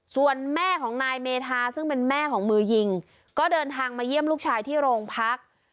ส่วนแม่ของนายเมธาซึ่งเป็นแม่ของมือยิงก็เดินทางมาเยี่ยมลูกชายที่โรงพัก